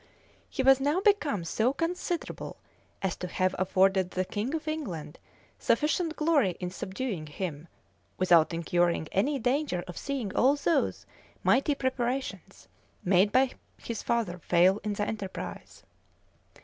[*]* Trivet, p. 346. He was now become so considerable as to have afforded the king of England sufficient glory in subduing him, without incurring any danger of seeing all those mighty preparations, made by his father, fail in the enterprise.